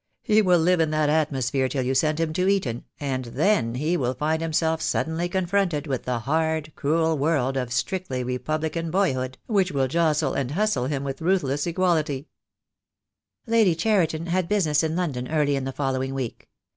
He will live in that atmosphere till you send him to Eton, and then he will find himself suddenly confronted with the hard, cruel world of strictly Republican boyhood, which will jostle and hustle him with ruthless equality." THE DAY WILL COME. I4I Lady Cheriton had business in London early in the following week.